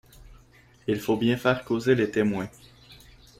Il faut bien faire causer les témoins.